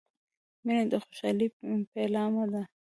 • مینه د خوشحالۍ پیلامه ده.